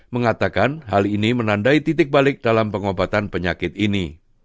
mengatakan hal ini menandai titik balik dalam pengobatan penyakit ini